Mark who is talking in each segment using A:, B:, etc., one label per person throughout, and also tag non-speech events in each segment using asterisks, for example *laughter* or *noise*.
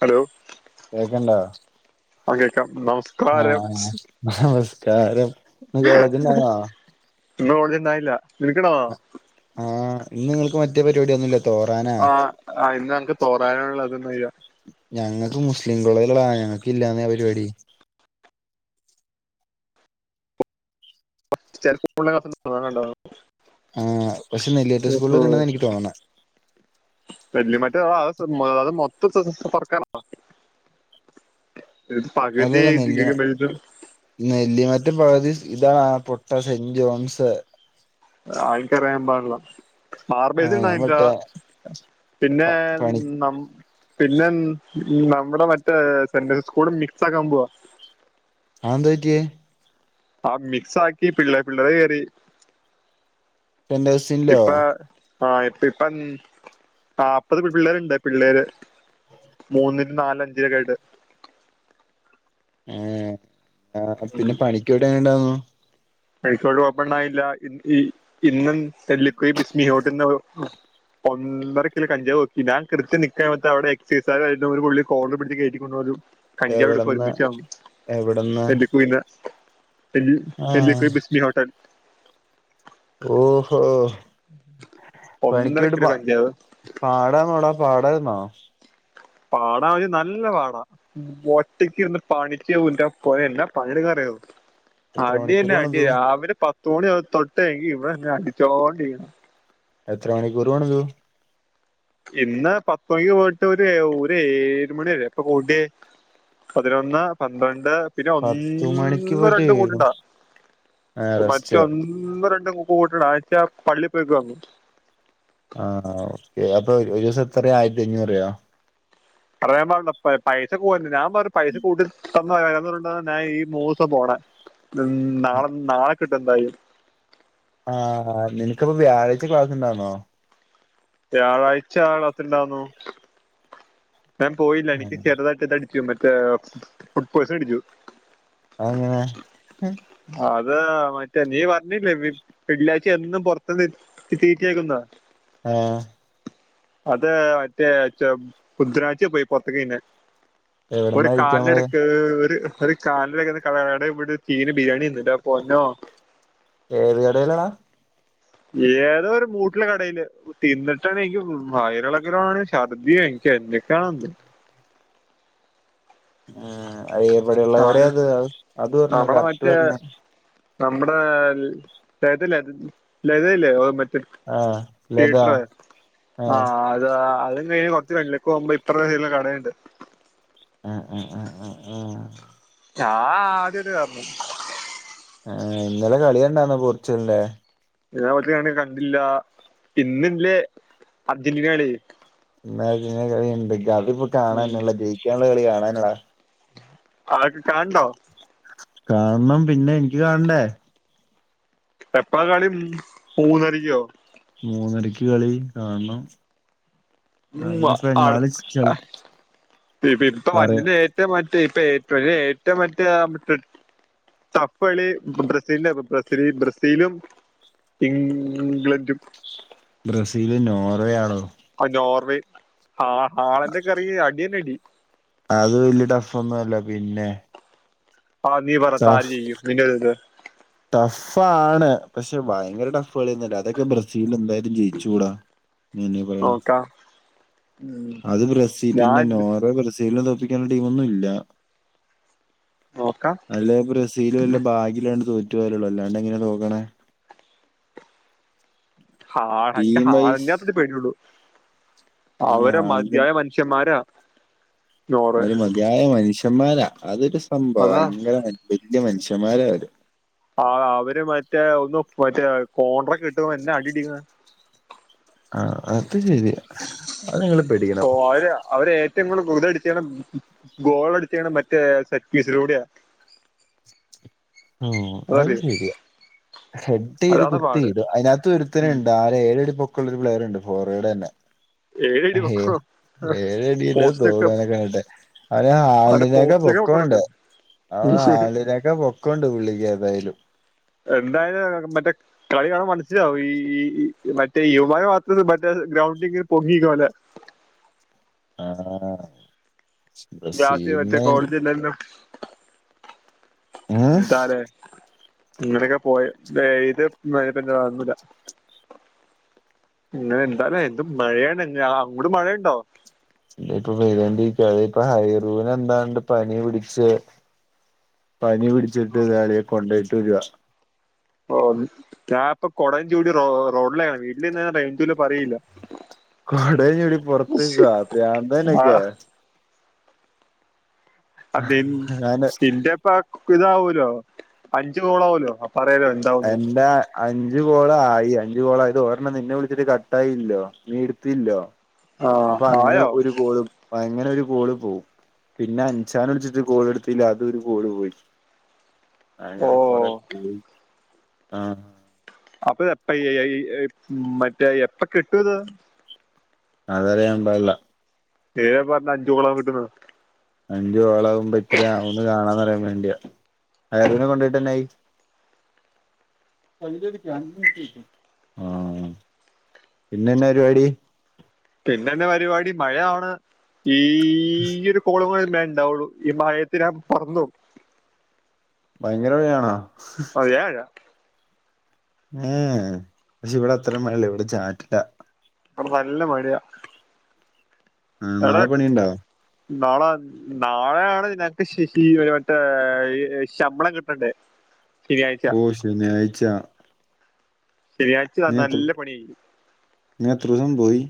A: Hello
B: കേക്കണ്ടോ?
A: അ കേക്കാം നമസ്കാരം.
B: ഹമസ്കാരം
A: *unintelligible*
B: ആ ഇന്ന് ങ്ങൾക്ക് മറ്റെ പരിപാടി ഒന്നുംല്ല
A: ആ ആ ഇന്ന് അൻക്ക് *unintelligible* ! ! ! ! ! ! ! ! ! ! ച
B: ആഹ് പക്ഷെ നെല്ലിയാറ്റ സ്കൂളിലൊക്കെ
A: *unintelligible*
B: ഉണ്ടെന്ന
A: *unintelligible*
B: എനിക്ക് തോന്നണെ
A: *unintelligible* പക്ദി
B: അല്ലല്ല നെല്ലി
A: *unintelligible*
B: നെല്ലിമറ്റം പകുതി ഇതാടാ പൊട്ട സെന്റ് ജോൺസ്.
A: ആ ൻക്കറിയാൻ പാടില്ല. ആർബിസി
B: ആഹ് ഞാൻ
A: ണ്ടായില്ല
B: മറ്റേ
A: പിന്നെ
B: പ പണി
A: നമ് പിന്നെ ൻ നമ്മുടെ മറ്റേ സെന്റസസ് സ്കൂള് മിക്സ് ആക്കാൻ പോവാ.
B: ആന്താറ്റിയേ?
A: ആ മിക്സ് ആക്കി പിള്ള പിള്ളേര് കേറി.
B: *unintelligible*
A: ഇപ്പ ആ ഇപ്പ ഇപ്പം ആപ്പത് പി പിള്ളേരുണ്ട് പിള്ളേര്. മൂന്നിലും നാലഞ്ചിലൊക്കെയിട്ട്.
B: ഏ ആ പിന്നെ പണിക്ക് *unintelligible*
A: *inaudible* ഓപ്പൺ ആയില്ല *unintelligible* ! ! ! ! ! ! ! ! ! ! *unintelligible* *unintelligible*
B: എവിടന്ന് എവിടന്ന് ആഹ്
A: ബിസ്മി ഹോട്ടൽ
B: ഓഹോ
A: ഒന്നരക്കിലേക്കഞ്ചാവ്
B: പാടാ മോടാ പാടഹ് ന്നോ
A: പാടാ *unintelligible* നല്ല പാടാ ഒറ്റക്ക് ഇര്ന്ന് പണിച്ച് ൻ്റെ പോന്നെ എന്നാ പണിട്ക്കണംന്നറിയോ
B: എത്ര
A: അടി
B: മണിക്കൂർ
A: തന്നെ അടി
B: പണിതു
A: രാവിലെ പത്ത് മണി തൊട്ട എങ്കി ഇവിടന്ന് അടിച്ചോണ്ടിരിക്കണം.
B: എത്ര മണിക്കൂറ് വേണതു
A: ഇന്ന് പത്തുമണിക്ക് പോയിട്ട് ഒര് ഒരേഴ് മണി വരെ അപ്പൊ കൂട്ട് പതിനൊന്ന്, പന്ത്രണ്ട് പിന്നെ
B: പത്ത് മണിക്ക്
A: ഒന്നും
B: പോയിട്ട്
A: രണ്ടും
B: ഏഴു
A: കൂട്ടണ്ടാ.
B: ആ റെസ്റ്റ്
A: മറ്റൊ ന്ന് ന്നു രണ്ടും കൂട്ടണ *unintelligible* പള്ളി പോയിക്ക പർഞു.
B: ആഹ് ഓർക്കെ അപ്പൊ ഒരു ഒരൂസം എത്രയാ ആയിരത്തി അഞ്ഞൂറ്യോ
A: പറയാൻ പാടില്ല പ പൈസ പോര്ണില്ല ഞാൻ പറഞ്ഞു പൈസ കൂട്ടി *unintelligible* ന്ന് നാളെ നാളെ കിട്ടും എന്തായും
B: ആഹ് നിനക്കിപ്പം വ്യാഴാഴ്ച ക്ലാസ് ണ്ടാന്നോ?
A: വ്യാഴാഴ്ച ക്ലാസ് ണ്ടാന്നു. ഞാൻ പോയില്ല എനിക്ക് ചെറുതായിട്ട് ഇത് അടിച്ചു മറ്റേ ഫുഡ് പോയ്സൺ അടിച്ചു.
B: അഎങ്ങനെ
A: അത് മറ്റേ നീ പർഞ്ഞില്ലേ വിം വെള്ളിയാഴ്ച്ച എന്നും പൊറത്ത് ന്ന് തി തീറ്റയാക്കുംന്നാ
B: ഏഹ്
A: അത് മറ്റേ ചം ബുദ്രാഴ്ച പോയി പൊർത്ത് ക്ക് തിന്നാൻ ഒരു
B: എവിടന്നാ കഴിക്കാൻ
A: കാല്
B: പോയെ
A: എടക്ക് ഒര് ഒര് കാലിലൊക്കെ *unintelligible* കടെ പോയിട്ട് ഒര് തീന് ബിരിയാണി തിന്നു ഇന്റെ പ്പൊന്നോ
B: ഏത് കടേലെടാ?
A: ഏതോ ഒരു മൂട്ടില കടേല് തിന്നിട്ടാണെ എൻക്ക് വയറിളകിലാണ് ഛർദ്ദിയോ എനിക്ക് എന്തൊക്കെയാണൊ എന്തോ
B: ഏഹ് അതെവിടെയ്ള്ള കടേ അത് അത് പറഞ്ഞേ
A: നമ്മുടെ
B: കറക്റ്റ്
A: മറ്റേ
B: പർഞ്ഞേ.
A: നമ്മുടെ ലളിതല്ലേ ലളിതയില്ലേ അഹ് മ റ്റെ
B: ആ ലത
A: പീറ്ററേ
B: ആ
A: ആഹ് താ അതും കഴിഞ്ഞ് കൊറച് *unintelligible* പോകുമ്പോ ഇപ്പറത്തെ സൈഡിലെ കടയ്ണ്ട്.
B: അ അ അ അ ആഹ്
A: ചാ *unintelligible* പർഞു
B: ഏഹ് ഇന്നലെ കളി കണ്ടാന്നോ പോർച്ചുഗലിന്റെ
A: *unintelligible* കണ്ടില്ല ഇന്നില്ലേ അർജന്റീന കളി.
B: ഇന്നർജൻ്റീന കളിണ്ട്. ഇഗ്ഗതിപ്പാ കാണാനുള്ള ജയിക്കാൻള്ള കളി കാണാൻള്ളതാ.
A: ആ ക്ക് കാൺണോ?
B: കാണണം പിന്നെ എനിക്ക് കാണണ്ടേ.
A: എപ്പളാ കളി മൂന്നരിക്ക്യോ?
B: മൂന്നരക്ക് കളി കാണണം.
A: ഉമ്മ
B: അയിനിപ്പോ
A: അടു
B: എങ്ങാലും ചെൽ
A: പ്പി പ്പ
B: പറയാ
A: വര്ന്ലേ റ്റ മറ്റേ ഇപ്പ ഏ ഏറ്റവും മറ്റാ *unintelligible* തപ്പളി ബ്രസീലിന്റെ ബ്ര ബ്രസീ ബ്രസീലും ഇം ഗ്ലൻ്റും
B: ബ്രസീല് നോർവേ ആണോ.
A: അഹ് നോർവേ ഹാ ഹാളെന്റെ കറി അടിയന്നെ അടി.
B: അത് വല്യ ടഫ് ഒന്നും അല്ല പിന്നെ.
A: ആഹ് നീ പറ സാലി ചെയ്യും *unintelligible*
B: ടഫ് ആണ് പക്ഷെ ഭയങ്കര ടഫ് കളിയൊന്നല്ല അതൊക്കെ ബ്രസീൽ എന്തായാലും ജയിച്ചോടാ നീ എന്നാ ഈ പറിണെ.
A: നോക്കാം ഉം
B: അത് ബ്രസീൽ പിന്നെ
A: ഞാൻ
B: നോറ ബ്രസീൽ നെ തോൽ എനിക്കങ്ങന ടീമൊന്നുല്ല
A: നോക്കാം
B: അല്ലെ ബ്രസീൽ വല്ല ഭാഗിലാണ്ട് തോറ്റുപോയല്ലുള്ളു അല്ലാണ്ടെങ്ങന തോക്കണേ
A: ഹാട എൻക്ക്
B: ടീം വൈസ്
A: ഹാളണ്ടിനാത്രേ പേടിള്ളൂ
B: അയിന്
A: അവരെ
B: ആളിന്റെ
A: മതിയായി മനുഷ്യന്മാരാ നോർവേ
B: ഒരു മതിയായ മനുഷ്യന്മാരാ അതൊരു സംഭവ
A: അതാ
B: ഭയങ്കര വലൃ മനുഷ്യന്മാരാ അവര്
A: ആ അവര് മറ്റേ ഒന്ന് മറ്റേ കോണ്ട്രകിട്ടവെന്നാ അടിക്കുന്ന്
B: ആഹ് അത് ശെരിയാ അത്ങ്ങളിപ്പ
A: കോരാ അവര് ഏ ഇങ്ങൾ ഗോതെടുത്തേണം ഗോളടുത്തേണം മറ്റേ സറ്റ്പീസിലൂടെയ
B: ഉം അത്
A: അതറിയോ
B: ശെരിയാ ഹെഡെയ്ത്
A: അതാണ് പാട്
B: കുത്തെയ്തു അയിനാത്ത് ഒരുത്തനുണ്ടാ ഏഴടി പൊക്കൊള്ള ഒരു പ്ലെയറുണ്ട് ഫോറേഡ തന്നെ
A: ഏഴടി
B: ഹേ
A: വെക്കണം
B: ഏഴടിട
A: പോസ്റ്റ് ഒക്കെ
B: തോടാകാണ്ടെ അവന്
A: അവരെ
B: ഹാൾഡിനേക്കാ
A: പോസ്റ്റ് ഒക്കെ
B: പൊക്കൊണ്ട്
A: വെക്കണൊക്കെ
B: അവ ഹാളിനേ ക്കാ പൊക്കൊണ്ട് പുള്ളിക്ക് ഏതായാലും
A: എന്തായാ മറ്റേ കളി കാണം മനസ്സിലാവും ഈ ഈ ഇ മറ്റേ ഇവമാര ഭാഗത്ത് മറ്റേ ഗ്രൗണ്ടിങ്ങനെ പൊങ്ങിരിക്കണ പോലെ
B: ആഹ് ബ്രസീൽനെ
A: ഇല്ലല്ലോ
B: ഉം
A: എന്താലേ ഇങ്ങനൊക്കെ പോയി ഏ ഇത് പിന്നെ ഒന്നുല്ല ഇങ്ങൾ എന്താലേ എന്തു മഴയാണ് അ അങ്ങൊട് മഴയുണ്ടോ
B: ഇ ഇപ്പൊ പെയ്തോണ്ടിരിക്ക അത് ഇപ്പ ഹൈറൂന് എന്താണ്ട് പനി പിടിച്ച് പനിപിടിച്ചിട്ട് നേരെ കൊണ്ടോയിട്ട് വെരുവ
A: ഓ ഞാപ്പൊ കൊടയുംചൂടി റോ റോഡിലാണ് വീട്ടിലിര്ന്ന റൈഞ്ചൂല പറീഇല്ല
B: കൊടേൻചൂടി പൊറത്ത്ക്ക പ്രാന്തനൊക്കെ
A: ആഹ് അ
B: ഞാന്
A: നിന്റെപ്പ ഇതാവൂലോ അഞ്ച് ഗോളാവുല്ലോ അപ്പറയാലോ ഇൻ
B: എന്റാ അഞ്ച്ഗോളായി അഞ്ചു കോളായത് ഓരെണ്ണം നിന്നെ വിളിച്ചിട്ട് കട്ടായില്ലോ നീയെടുത്തില്ലോ അപ്പൊ
A: ആഹ്
B: അങ്ങനെ
A: ആയോ
B: ഒരു കോള് അപ്പ അങ്ങനെ ഒരു കോള് പോവും പിന്നെ അൻസാനവിളിച്ചിട്ട് കോള്എടുത്തില്ല അത് ഒരുകോള് പോയി
A: ഓ
B: അങ്ങനെ കൊറെ പോയി ആഹ്
A: അപ്പൊ എപ്പ ഈ ഏ ഈ മറ്റേ എപ്പ കിട്ടു ഇത്
B: അതറിയാമ്പാടില്ല
A: ഏ പറഞ്ഞ് അഞ്ചു ഗോളവും കിട്ടുമെന്ന്
B: അഞ്ചു കോളാവുംമ്പോ ഇത്രയാകൂന്ന് കാണാന്ന്റിയാ വേണ്ടിയ ആരുനെ കൊണ്ടോയിട്ട് എന്നായി അഞ്ചെടുക്ക് അഞ്ചുകിട്ടി ആഹ് പിന്നെ എന്നാ പരുവാടി
A: പിന്നെ എന്നാ പരിപാടി മഴ ആവണ് ഈ ഒരു കോളുങ്കളിംമേഇണ്ടാവുള്ളൂ ഈ മഴയെത്തിനാ പറന്നോം
B: ഭയങ്കര മഴയാണാ
A: ഒ യായ
B: ഏഹ് പക്ഷെ ഇവിടെ അത്രേം മഴയില്ല ഇവിടെചാറ്റല
A: ഇവ്ടെ നല്ല മഴയാ
B: ഉം നാളെ പണിണ്ടാ
A: നാളാ നാളെയാണ് നേരത്തെ ശിശി ഒരു മറ്റേ ഈ ശമ്പളം കിട്ടണ്ടേ ശനിയാഴ്ച
B: ഓ ശനിയാഴ്ച്ച
A: ശനിയാഴ്ച വാ നല്ല പണിയായിരി
B: നിങ്ങ എത്രോസംപോയി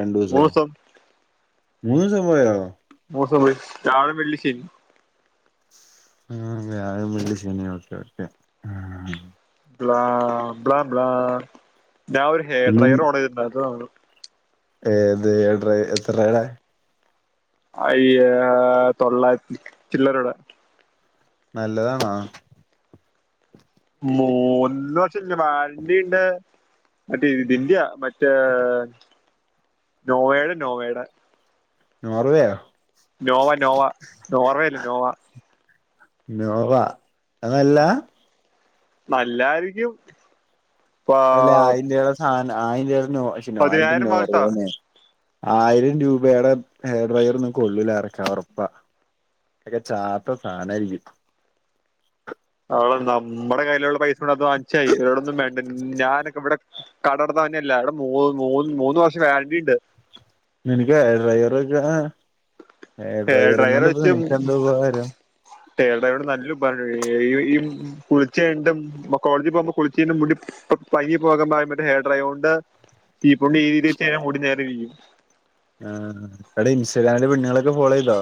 B: രണ്ടുസോ
A: മൂന്ന് ദിവസം
B: മൂന്നൂസോ പോയോ
A: മൂന്നോസംപൊയി വ്യാഴം, വെള്ളി, ശനി
B: ഉം. വ്യാഴം, വെള്ളി, ശനി ഓക്കെ, ഓക്കെ ആഹ്.
A: ബ്ലാ ബ്ല ബ്ലാ ഞാഒരു ഹെയർ
B: പിന്നെ
A: ഡ്രൈയർ ഓഡറെയിതിട്ടുണ്ട് അത്
B: ഏത്? ഏഡ്ര എത്രടെ?
A: അയ്യാ തൊള്ളായിരത്തി ചില്ലറേടെ.
B: നല്ലതാണോ?
A: മൂന്ന് വർഷല്ലെ വാരന്റിണ്ട്. മറ്റേ ഇത് ഇന്ത്യ മറ്റേ നോവേടെ, നോവേടെ.
B: നോർവേയോ?
A: നോവ, നോവ, നോർവേല്ല. നോവ.
B: നോവ അതല്ല.
A: നല്ലായിരിക്കും
B: അല്ലെ
A: പ-
B: ആയിന്റെതാസാനം ആയിന്റെ നോ നോ ആയിന്റെ
A: പതിനായിരം വാൾട്ടാ
B: നോർവേനെ ആയിരം രൂപെടെ ഹെയർഡ്രയർഒന്നും കൊള്ളൂല എറക്കാ ഒറപ്പാ. അക്കെ ചാത്ത സാനായിരിക്കും.
A: അവടെ നമ്മുടെ കയ്യിലുള്ള പൈസോട്ത്ത് വാങ്ങിച്ചായി ഈടൊന്നുംമേണ്ട ഞാനൊക്കെവിടെ കടർന്നൊഞ്ഞേല്ല എട മൂ, മൂന്ന്, മൂന്ന് വർഷം വേരന്റിണ്ട്.
B: നിനക്ക് ഏ ഡ്രൈയർച്ച് ഏ
A: ഹെയർ
B: ഹെയർഡ്രയറിങ്ങോണ്ട് ഇപ്പ നിനക്കെന്താപകാരം.
A: ഏടയറോണ്ട് നല്ലഉപാര ഈ കുളിച്ചഴിഞ്ഞിട്ട് മു മ്മ കോഡ്തി പോവുമ്പോ കുളിച്ചീ മുടി പയ്‌ങ്ങിപോകുമ്പോ മറ്റേ ഹേഡ്രയറോണ്ട് ചീപ്പൊണ്ട് ഈരിവെച്ചയ്ഞ മുടി നേരെരിക്കും.
B: ആ എട ഇൻസ്റ്റാഗ്രാല് പെണ്ണുങ്ങളൊക്കെ ഫോളോയ്തൊ?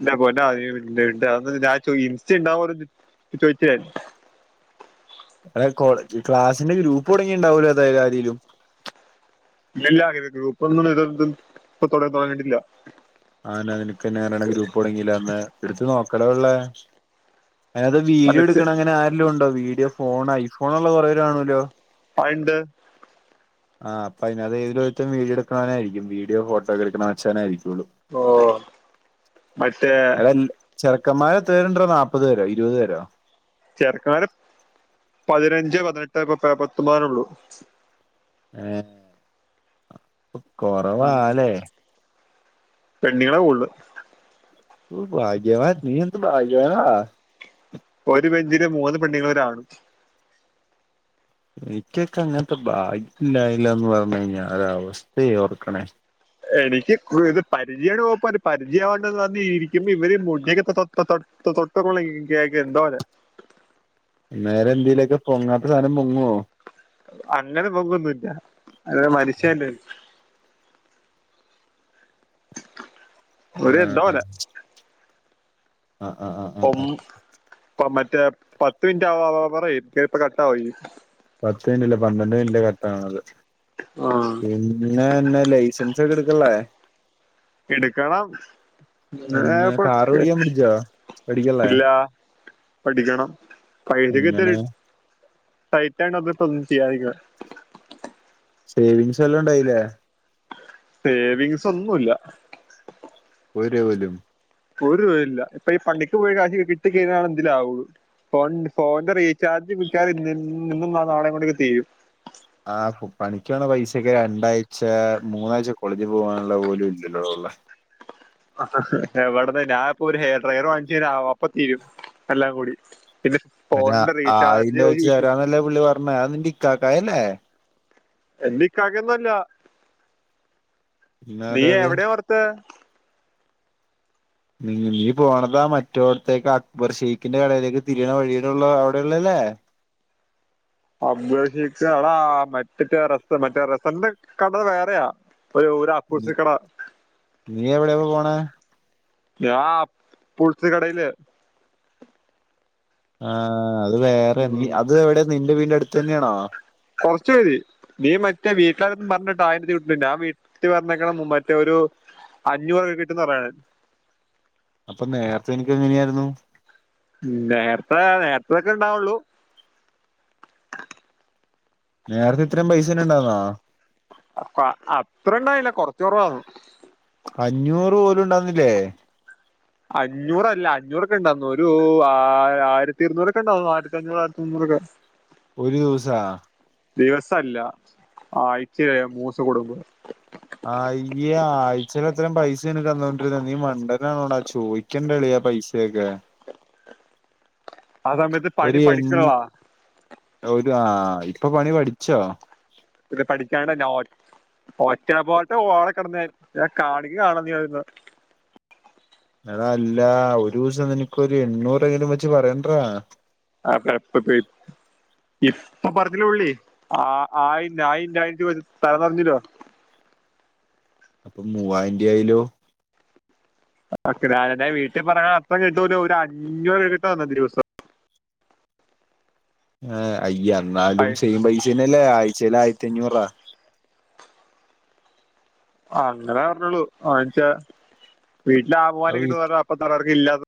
A: ഇന്റെ പൊന്ന അ ഇണ്ട്, ഇണ്ട് അ ഞാൻ ചൊയ് ഇൻസ്റ്റണ്ടാവോന്ന് ചൊയ്ച്ച്ഞാ
B: അതായത് കോളേജ് ക്ലാസിന്റെ ഗ്രൂപ്പ് തുടങ്ങിണ്ടാവല്ലോ ഏതാ ആാരെലും.
A: ഇല്ല ല്ലാ ഗ്രു ഗ്രുപെന്നും ഇതെന്തെ ഇപ്പൊ തെടതോങ്ങിട്ടില്ല.
B: ആനന്ക്കനെ ളെളതി ഗ്രൂപ്പ് തുടങ്ങില്ല അന്ന് എടുത്തോനോക്കല ഉള്ളെ. അത് വീഡിയോ
A: മനസ്സ്
B: എടുക്കണ അങ്ങനെ ആരലും ഉണ്ടോ? വീഡിയോ ഫോൺ ഐ ഫോൺ ഉള്ള കൊറേവരാ ആണല്ലോ.
A: ആ എന്തേ
B: ആ അപ്പോ അതിത് ഏതൊരുത്തും വീഡിയോ എടുക്കാനായിരിക്കും വീഡിയോ ഫോട്ടോക്ക എടുക്കേ വെച്ചാന ആരിക്കുള്ളു.
A: ഓ മറ്റേ
B: എടാ ചെറുക്കന്മാര് എതേരുണ്ടടൊ നാപ്പത് പേരോ ഇരുപത് പേരോ
A: ചെറക്കന്മാര് പതിനഞ്ച്, പതിനെട്ട്, ഇപ്പ പ പത്തൊമ്പതിനഉള്ളു.
B: ഏ കൊറവാലേ?
A: പെണ്ണിങ്ങളാ ളൂള്ള്
B: ഉം ഭാഗ്യവാൻ നീ എന്ത് ഭാഗ്യവാനാടാ
A: ഒരു ബെഞ്ചില് മൂന്ന് പെണ്ണിങ്ങളു ഒരാണും.
B: എനിക്കൊക്കെ അങ്ങനത്തെ ഭാഗ്യലല്ലാന്ന് പറഞ്ഞാ അവസ്ഥയേ ഓർക്കണേ
A: എനിക്ക് കൊരു പരിചയോപരി പരിചയവണ്ടെന്ന് പറഞ്ഞരിക്ക്പ ഇവര് മുന്നിക്കത്തെ തത്തതൊ തൊ തൊട്ട കേ ഇന്ത്യക്ക് ന്തേര്
B: നേരെയില്ലിലെക്കെ പൊങ്ങാത്ത സാനം പൊങ്ങേ?
A: അങ്ങനെ പൊങ്ങൊന്നില്ല അത് മനുഷ്യല്ല
B: ആ
A: ഒര് എന്തോ പോലെ
B: അ അആഅ്
A: ഒഠ ഒമറ്റേ പത്ത് മിന് റ്റാആവാറേ കേപ്പ കട്ടാവയ്ന്
B: പത്ത് ന്ല്ല പന്ത്രണ്ട് ന്ല്ല കററ്റാണത് പിന്ന് പിന്നെ എന്നെ ലൈസൻസൊക്കെ എടുക്കില്ലേ?
A: എടുക്കണം
B: എന്ന്
A: പ്പൊ
B: കാറ്
A: ക്
B: ഓടിക്കാൻ പഠിച്ചോ പഠിക്കള്ളേ
A: ഇല്ല പഠിക്കണം പൈസക്ക് ഇത്തിരി
B: എങ്ങനെ
A: ടൈറ്റാണ് അത് പ്പം ചെയ്യാതിരിക്ക്ണേ.
B: സേവിംഗ്സ് എല്ലാം ടായില്ലേ?
A: സേവിങ്സ് ഒന്നുല്ലാ
B: ഒര് ഒരും
A: ഒരു രൂപല്ലാ ഇപ്പൊ ഇപണിക്ക് പോയി കാഷ് ക് കിട്ടി കഴിഞ്ഞാല് എന്തിലാവുള്ളൂ. ഫോൺ ഫോണന്റെ റീചാർജ് വിക്കാറ് ഇ ഇന്നും നാളെ കൊണ്ടെക്കേ തീരും.
B: ആ പ്പപണിക്കണ പൈസൊക്കെ രണ്ടാഴ്ച മൂന്നാഴ്ച കോളേജ് പോകാനുള്ള പോലും ഇല്ലല്ലോ ഉള്ള
A: അ അ് ഇ എവിടന്ന് ഞാ ഇപ്പൊ ഒരു ഹെയർ ഡ്രൈവറെവാങ്ങിച്ചയി ഞാൽആവാ അപ്പ തീരും. എല്ലാം കൂടി ഇത്
B: അയ്ന് അ ആയിൻവെച്ചാരാ നല്ലേ പുള്ളി പറഞ്ഞേ അതിന്നിക്കാക്കയല്ലെ?
A: എൻ്റി കാക്കയൊന്നല്ല നീ
B: പിന്നാരത്
A: എവിടെ ഓർത്തെ
B: നീ പോണതാ മറ്റോടത്തേക്ക അക്ബർ ഷെയ്ഖിന്റെ കടയിലേക്ക് തിരിയണ വഴിയിലുള്ള അവിടെയ ള്ളല്ലേ?
A: അപേക്ഷിച്ചളാ മറ്ററ്റ രത്ത മറ്റേ റത്തൻ്റെ കട വേറെയാ പരൂവ് തെ ആപ്പൂസക്കട.
B: നീ എവിടെയാ പോണെ
A: ഞാൻ പുൾച് കടയില്
B: ആ അത് വേറെ നീ
A: ഉം,
B: അത് എവിടെ നിന്റെ വീട്ടിന്റെ അടുത്ത് തന്നെയാണോ?
A: കുറച്ച് മതി നീ മറ്റേ വീട്ടിലാരു പറഞ്ഞിട്ട് ആയി ര്‌രുട്ട് ഞാൻ വീട്ടി പറഞ്ഞക്ക്ണു മറ്റൊരു അഞ്ഞൂറൊക്കെ കിട്ടന്ന് പറയാണ്
B: അപ്പൊ നേർത്തെ എനിക്ക് എങ്ങനെയായിരുന്നു?
A: മ് നേർത്തെ നേർത്തൊക്കെണ്ടാ വെള്ളൂ
B: നേരത്തെ ഇത്രയും പൈസ ഉണ്ടാവന്നോ?
A: അ അ അത്ര ഇണ്ടായില്ല കൊറച്ച് കൊറവായ്രുന്നു.
B: അഞ്ഞൂറ് പോലും ണ്ടാന്നില്ലേ?
A: അഞ്ഞൂറ് അല്ല അഞ്ഞൂറൊക്കെ ഉണ്ടാവന്നു ഒരൂ ആ ആയിരത്തി ഇരുന്നൂറൊക്കെണ്ടാവു ആയിരത്തി അഞ്ഞൂറ് ആയിരത്തി മുന്നൂറൊക്കെ.
B: ഒരു ദിവസാ?
A: ദിവസല്ല ആഴ്ചെ മൂസ് കൂടുമ്പ
B: ആ യ്യേ ആഴ്ച്ചേലിത്രേം പൈസ എനി തന്നോണ്ടിരുന്ന നീ മണ്ടനണോടാ ചോയ് ക്കെണ്ടളിയ പൈസെക്കെ.
A: *unintelligible* ആ സമയത്ത്
B: *inaudible* ഒരു
A: പണി
B: എൺ
A: പഠിക്കണതാ
B: ഒരു ആ ഇപ്പൊ പണി പഠിച്ചോ?
A: ഇത് പഠിക്കാണ്ട്ന്നെ ഓ ഓറ്റ പോലട്ട് ഓള കെടന്ന് ഞാൻ കാണിക്ക കാണേണ്ടി
B: എട അല്ല ഒരുസം നിനിക്കൊരു എണ്ണൂറെങ്കിലും വെച്ച് പറഎൻ്രാ
A: ആക്കെപ്പ *unintelligible* ഇപ്പൊ പറഞ്ഞല്ലേ ഒള്ളീ ആ, ആയി ആയി *unintelligible* തലംറഞ്ഞല്ലോ.
B: അപ്പം മൂവായിന്റായാലോ
A: ആ ഞാനന്റെ വീട്ടി പറയാ അത്രം കിട്ടൂലൊ ഒരു അഞ്ഞൂറ് കിട്ടൊ അന്നത്തെദിവസം.
B: ഏ അയ് എന്നാലും സെയി പൈസേനല്ലേ ആഴ്ചെലായിരത്തിഞ്ഞൂറ്അ.
A: അങ്ങനെറഞ്ഞോളു ആഴ്ച വീട്ടില *unintelligible*
B: അത്
A: കിട്ടുന്ന്റഞ്ഞ അപ്പ തലർക്ക ഇല്ലാത്ത